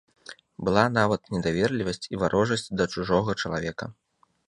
Была нават недаверлівасць і варожасць да чужога чалавека.